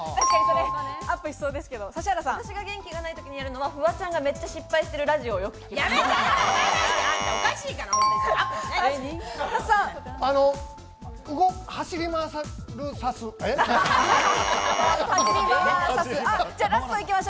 私が元気がないときにやるのは、フワちゃんが、めっちゃ失敗してるラジオを聞きます。